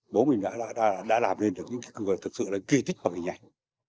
bố mình đã làm nên được những cái cửa thực sự là kỳ tích và kỳ nhạch